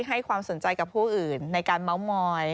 ให้ความสนใจกับผู้อื่นในการเมาส์มอย